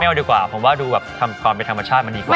เอาดีกว่าผมว่าดูแบบทำความเป็นธรรมชาติมันดีกว่า